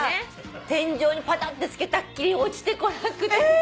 天井にパタッてつけたっきり落ちてこなくってさ。